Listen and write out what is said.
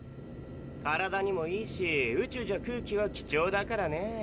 体にもいいし宇宙じゃ空気は貴重だからね。